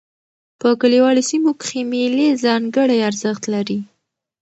په کلیوالو سیمو کښي مېلې ځانګړی ارزښت لري.